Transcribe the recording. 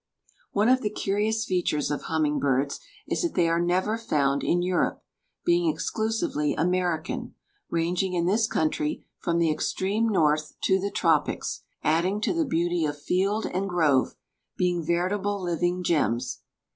One of the curious features of humming birds is that they are never found in Europe, being exclusively American, ranging in this country from the extreme north to the tropics, adding to the beauty of field and grove, being veritable living gems.